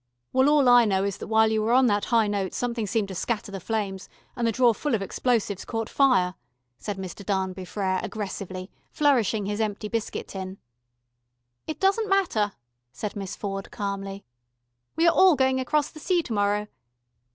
"Well, all I know is that while you were on that high note something seemed to scatter the flames, and the drawer full of explosives caught fire," said Mr. Darnby Frere aggressively, flourishing his empty biscuit tin. "It doesn't matter," said Miss Ford calmly. "We are all going across the sea to morrow."